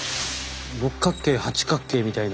六角形八角形みたいな。